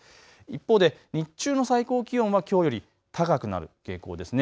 一方で日中の最高気温はきょうより高くなる傾向ですね。